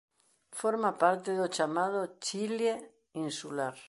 Forma parte do chamado Chile insular.